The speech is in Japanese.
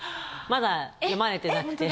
まだ読まれてなくて。